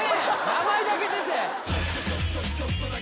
名前だけ出て。